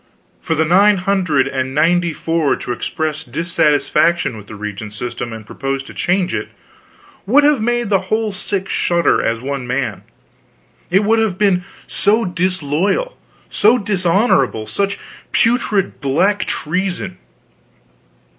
For the nine hundred and ninety four to express dissatisfaction with the regnant system and propose to change it, would have made the whole six shudder as one man, it would have been so disloyal, so dishonorable, such putrid black treason.